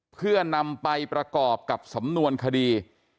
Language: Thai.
เพื่อนำไปประกอบกับสำนวนคดี